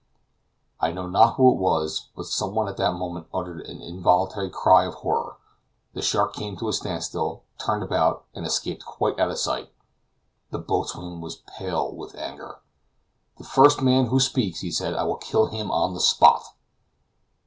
I know not who it was, but some one at that moment uttered an involuntary cry of horror. The shark came to a standstill, turned about, and escaped quite out of sight. The boatswain was pale with anger. "The first man who speaks," he said, "I will kill him on the spot."